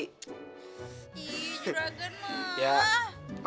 ihh juragan mah